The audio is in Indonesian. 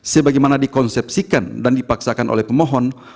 sebagaimana dikonsepsikan dan dipaksakan oleh pemohon